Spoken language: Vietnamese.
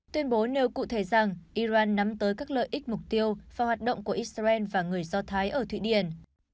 tuyên bố nêu cụ thể rằng iran nắm tới các lợi ích mục tiêu và hoạt động của israel và người do thái ở thụy điển